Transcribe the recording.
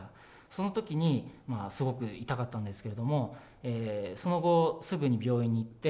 そのときに、すごく痛かったんですけれども、その後、すぐに病院に行って、